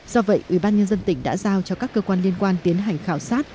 do vậy ủy ban nhân dân tỉnh đã giao cho các cơ quan liên quan tiến hành khảo sát